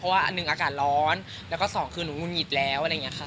อันหนึ่งอากาศร้อนแล้วก็สองคือหนูงุดหงิดแล้วอะไรอย่างนี้ค่ะ